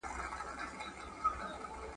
مقابله کولای سي